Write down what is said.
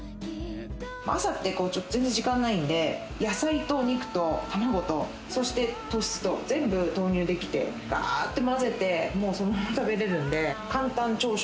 朝って全然時間ないんで、野菜とお肉と卵と、そして糖質と全部投入できて、ガッて混ぜて、もうそのまま食べれるんで、簡単朝食。